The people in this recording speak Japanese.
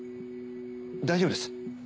大丈夫です。